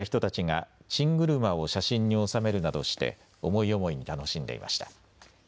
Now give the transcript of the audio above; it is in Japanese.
５合目付近では訪れた人たちがチングルマを写真に収めるなどして、思い思いに楽しんでいました。